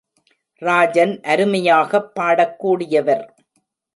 ராஜன் அருமையாகப் பாடக் கூடியவர்.